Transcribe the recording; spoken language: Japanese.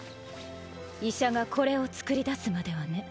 医者がこれをつくり出すまではね。